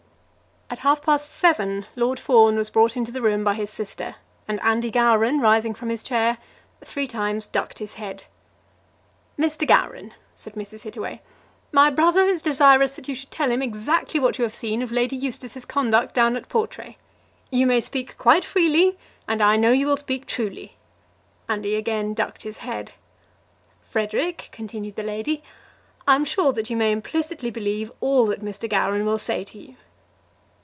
At half past seven Lord Fawn was brought into the room by his sister, and Andy Gowran, rising from his chair, three times ducked his head. "Mr. Gowran," said Mrs. Hittaway, "my brother is desirous that you should tell him exactly what you have seen of Lady Eustace's conduct down at Portray. You may speak quite freely, and I know you will speak truly." Andy again ducked his head. "Frederic," continued the lady, "I am sure that you may implicitly believe all that Mr. Gowran will say to you."